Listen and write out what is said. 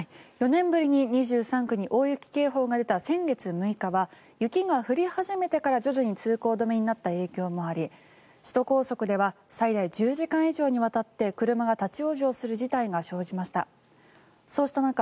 ４年ぶりに２３区に大雪警報が出た先月６日は雪が降り始めてから徐々に通行止めになった影響もあり首都高速では最大１０時間以上にわたって車が立ち往生する事態が生じました。